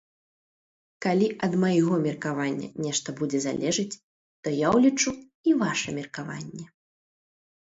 Калі ад майго меркавання нешта будзе залежыць, то я ўлічу і ваша меркаванне.